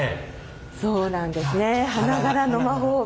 そうなんですね花柄の魔法瓶。